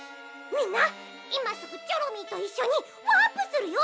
みんないますぐチョロミーといっしょにワープするよ！